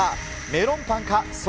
メロンパン。